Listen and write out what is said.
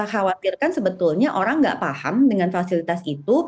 khawatirkan sebetulnya orang nggak paham dengan fasilitas itu